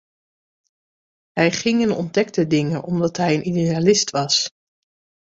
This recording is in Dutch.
Hij ging en ontdekte dingen, omdat hij een idealist was.